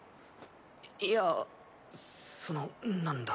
いやそのなんだ。